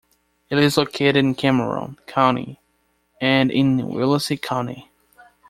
It is located in Cameron County and in Willacy County.